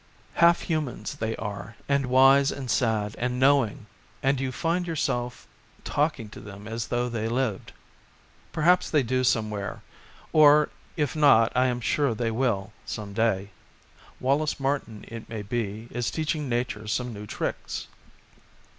Half human they are, and wise and sad and knowing, and you find yourself talking to them as though they lived. Perhaps they do somewhere, or if not I amsur they will, some day ; Wallace Martin it may be is teaching Nature some new tricks.